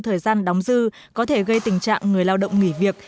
thời gian đóng dư có thể gây tình trạng người lao động nghỉ việc